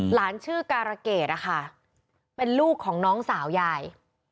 หลานชื่อการะเกดนะคะเป็นลูกของน้องสาวยาย